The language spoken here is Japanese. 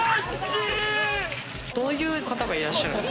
どういう方がいらっしゃるんですか？